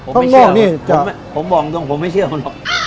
ผมไม่เชื่อผมบอกแบบตรงผมไม่เชื่อผม